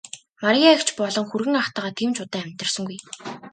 Мария эгч болон хүргэн ахтайгаа тийм ч удаан амьдарсангүй.